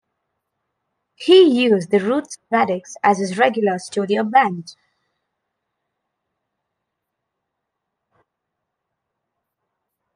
He used the Roots Radics as his regular studio band.